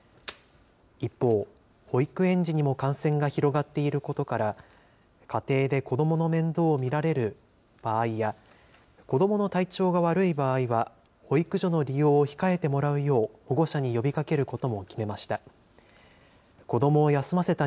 一方、保育園児にも感染が広がっていることから、家庭で子どもの面倒を見られる場合や、子どもの体調が悪い場合は、保育所の利用を控えてもらうよう保護者に呼びかけることも決めました。